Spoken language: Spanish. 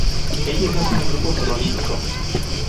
Ellos no son un grupo monolítico.